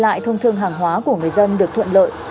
lại thông thương hàng hóa của người dân được thuận lợi